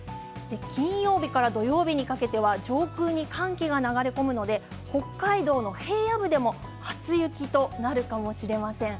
金曜日から土曜日にかけては上空に寒気が流れ込むので北海道の平野部でも初雪となるかもしれません。